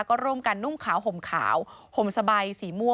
ก็ร่วมกันนุ่งขาวห่มขาวห่มสบายสีม่วง